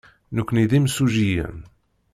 Nekkni d imsujjiyen.